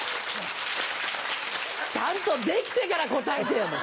ちゃんと出来てから答えてよ。